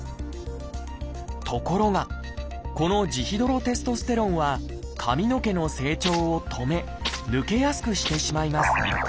ところがこのジヒドロテストステロンは髪の毛の成長を止め抜けやすくしてしまいます。